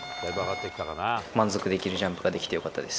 満足できるジャンプができてよかったです。